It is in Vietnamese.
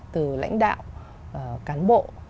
từ lãnh đạo cán bộ